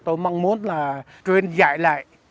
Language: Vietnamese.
tôi mong muốn là truyền dạy lại